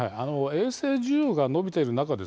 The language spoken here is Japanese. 衛星需要が伸びている中